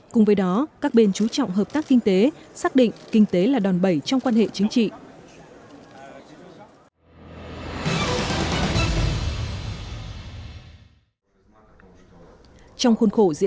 cùng với đó các bên chú trọng hợp tác kinh tế xác định kinh tế là đòn bẩy trong quan hệ chính trị